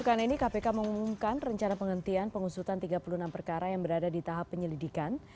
pekan ini kpk mengumumkan rencana penghentian pengusutan tiga puluh enam perkara yang berada di tahap penyelidikan